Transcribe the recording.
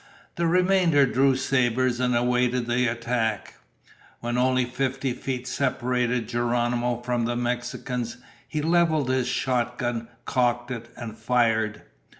The remainder drew sabers and awaited the attack. When only fifty feet separated Geronimo from the Mexicans, he leveled his shotgun, cocked it, and fired.